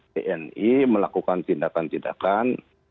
tni melakukan tindakan tindakan